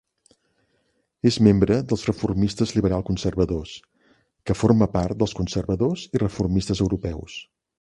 És membre dels Reformistes Liberal-Conservadors, que forma part dels Conservadors i Reformistes Europeus.